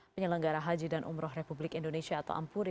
penyelenggara haji dan umroh republik indonesia atau ampuri